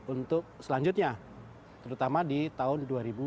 untuk selanjutnya terutama di tahun dua ribu dua puluh